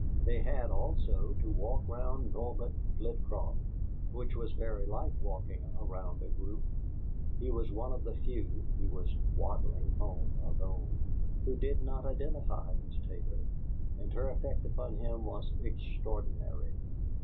They had, also, to walk round Norbert Flitcroft, which was very like walking round a group. He was one of the few (he was waddling home alone) who did not identify Miss Tabor, and her effect upon him was extraordinary.